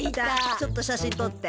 ちょっと写真とって。